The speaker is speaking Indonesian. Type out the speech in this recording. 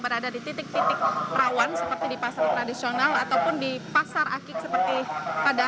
berada di titik titik rawan seperti di pasar tradisional ataupun di pasar akik seperti pada